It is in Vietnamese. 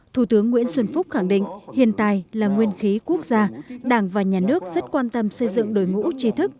thủ tướng nguyễn xuân phúc khẳng định hiện tại là nguyên khí quốc gia đảng và nhà nước rất quan tâm xây dựng đội ngũ trí thức